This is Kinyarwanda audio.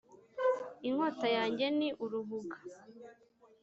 Inkota yanjye ni uruhuga